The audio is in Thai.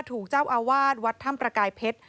ถูกเจ้าอาวาสวัดถ้ำประกายเพชร